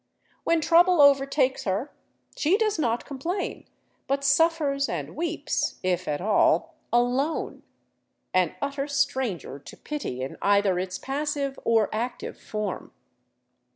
When trouble overtakes her she does not complain, but suffers and weeps — if at all — alone, an utter stranger to pity in 434 THE CITY OF THE SUN either its passive or active form.